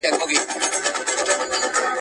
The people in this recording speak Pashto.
هر سړي ته خپله ورځ او قسمت ګوري.